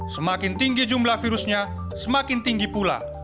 semakin tinggi jumlah virusnya semakin tinggi pula